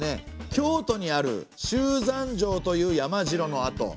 京都にある周山城という山城の跡。